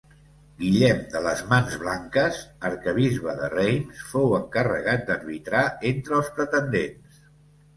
Guillem de les Mans Blanques, arquebisbe de Reims fou encarregat d'arbitrar entre els pretendents.